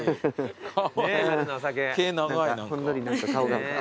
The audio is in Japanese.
ほんのり何か顔が。